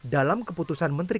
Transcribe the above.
dalam keputusan menteri